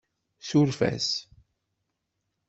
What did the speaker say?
Suref-as.